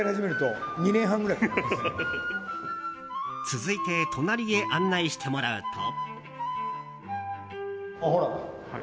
続いて隣へ案内してもらうと。